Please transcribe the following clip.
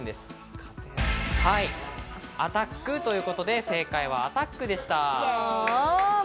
「ＡＴＴＡＣＫ」ということで、正解は「アタック」でした。